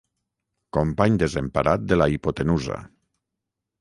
Company desemparat de la hipotenusa.